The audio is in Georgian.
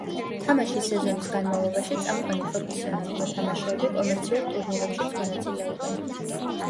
თამაშის სეზონის განმავლობაში წამყვანი პროფესიონალი მოთამაშეები კომერციულ ტურნირებშიც მონაწილეობენ.